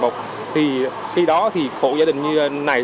thì khi đó hộ gia đình như này